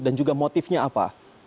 dan juga motifnya apa